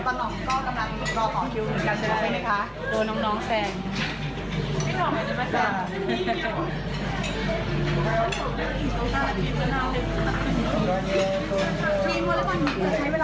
กัปตันหนองก็กำลังรอต่อทิวเหมือนกันใช่ไหมคะ